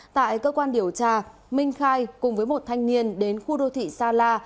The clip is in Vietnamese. tại cơ quan điều tra minh khai cùng với một thanh niên đến khu đô thị sa la